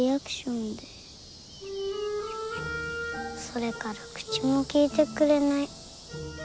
それから口も利いてくれない。